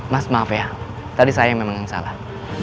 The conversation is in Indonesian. mas maaf ya tadi saya memang yang salah